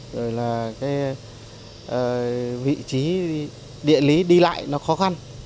rồi là cái vị trí địa lý đi lại nó khó khăn